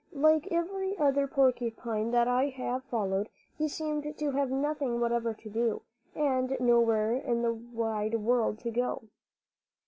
Like every other porcupine that I have followed, he seemed to have nothing whatever to do, and nowhere in the wide world to go.